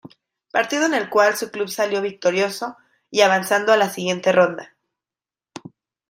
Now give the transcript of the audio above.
Partido en el cual su club salió victorioso y avanzando a la siguiente ronda.